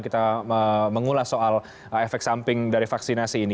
kita mengulas soal efek samping dari vaksinasi ini